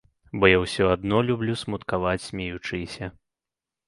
Бо я ўсё адно люблю смуткаваць смеючыся.